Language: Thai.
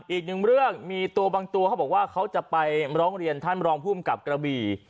อีกหนึ่งเรื่องมีตัวบางตัวเขาบอกว่าเขาจะไปร้องเรียนท่านรองภูมิกับกระบี่